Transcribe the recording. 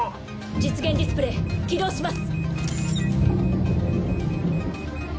実現ディスプレイ起動します。